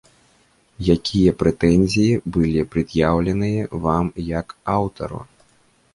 Якія прэтэнзіі былі прад'яўленыя вам як аўтару?